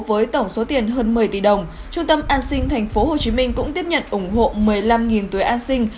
với tổng số tiền hơn một mươi tỷ đồng trung tâm an sinh tp hcm cũng tiếp nhận ủng hộ một mươi năm túi an sinh